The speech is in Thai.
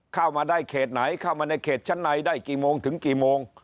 เข้ามาได้เขตไหนเข้ามาในเขตชั้นในได้กี่โมงถึงกี่โมง